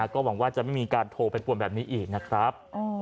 ก็หวังว่าจะไม่มีการโทรไปป่วนแบบนี้อีกนะครับ